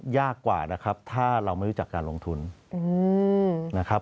ยากกว่านะครับถ้าเราไม่รู้จักการลงทุนนะครับ